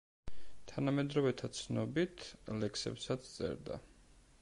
თანამედროვეთა ცნობით, ლექსებსაც წერდა.